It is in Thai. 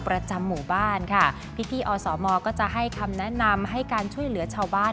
ประจำหมู่บ้านค่ะพี่พี่อสมก็จะให้คำแนะนำให้การช่วยเหลือชาวบ้าน